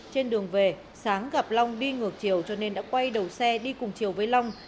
trên đường về sáng gặp long đi ngược chiều cho nên đã quay đầu xe đi cùng chiều với long